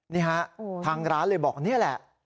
นี่ฮะทางร้านเลยบอกนี่แหละ